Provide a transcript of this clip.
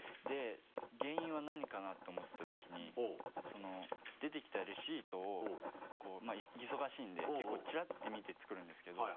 原因は何かな？って思った時にその出てきたレシートを忙しいんで結構チラッて見て作るんですけど。